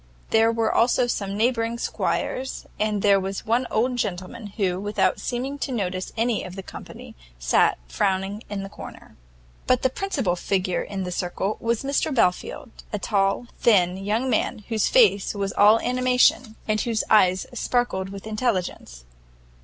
There were also some neighbouring squires; and there was one old gentleman, who, without seeming to notice any of the company, sat frowning in a corner. But the principal figure in the circle was Mr Belfield, a tall, thin young man, whose face was all animation, and whose eyes sparkled with intelligence.